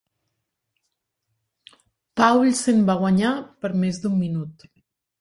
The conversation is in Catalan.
Paulsen va guanyar per més d'un minut.